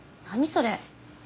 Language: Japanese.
それ。